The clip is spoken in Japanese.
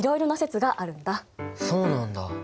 そうなんだ。